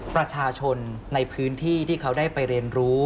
ประชาชนในพื้นที่ที่เขาได้ไปเรียนรู้